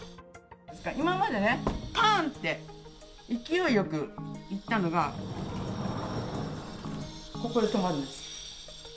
今までね、ぱんって勢いよくいったのが、ここで止まるんです。